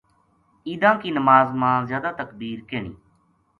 عیداں کی نماز ما زیادہ تکبیر کہنی۔